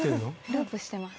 ・ループしてます